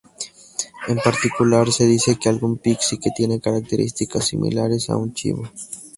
En particular, se dice de algún Pixie que tiene características similares a un chivo.